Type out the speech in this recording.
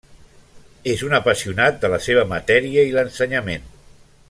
És un apassionat de la seva matèria i l'ensenyament.